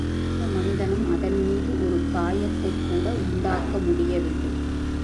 எந்த மனிதனும் அதன்மீது ஒரு காயத்தைக் கூட உண்டாக்க முடியவில்லை.